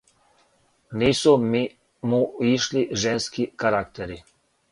Нису му ишли женски карактери.